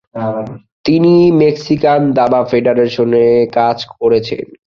তিনি মেক্সিকান দাবা ফেডারেশনে কাজ করেছেন।